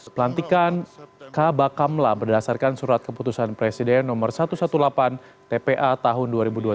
pelantikan kabakamlah berdasarkan surat keputusan presiden no satu ratus delapan belas tpa tahun dua ribu dua puluh tiga